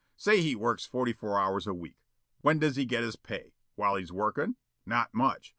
Say he works forty four hours a week. When does he get his pay? While he's workin'? Not much.